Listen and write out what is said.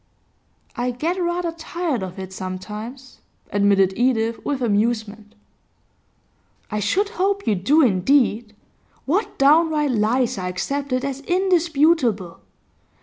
'I get rather tired of it sometimes,' admitted Edith with amusement. 'I should hope you do, indeed. What downright lies are accepted as indisputable!